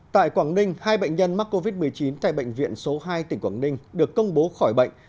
tại quảng ninh hai bệnh nhân mắc covid một mươi chín tại bệnh viện số hai tỉnh quảng ninh được công bố khỏi bệnh